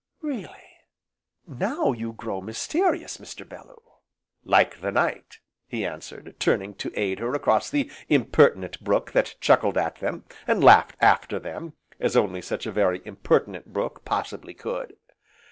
"Really! now you grow mysterious, Mr. Bellew." "Like the night!" he answered, turning to aid her across the impertinent brook that chuckled at them, and laughed after them, as only such a very impertinent brook possibly could.